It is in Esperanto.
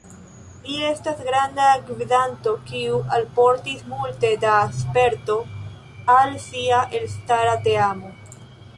Li estas granda gvidanto kiu alportis multe da sperto al sia elstara teamo.